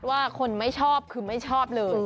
ว่าคนไม่ชอบคือไม่ชอบเลย